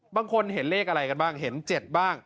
บางคนเห็นเลขอะไรกันบ้างเห็น๗บ้าง